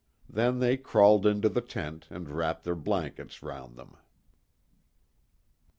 Then they crawled into the tent and wrapped their blankets round them.